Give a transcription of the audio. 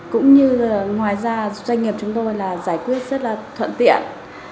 cũng như ngoài ra doanh nghiệp chúng tôi là giải quyết rất là thuận tiện